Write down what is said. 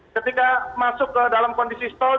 ketika masuk ke dalam kondisi stall